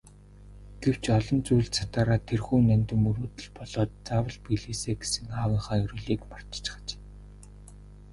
Гэвч олон зүйлд сатаараад тэрхүү нандин мөрөөдөл болоод заавал биелээсэй гэсэн аавынхаа ерөөлийг мартчихаж.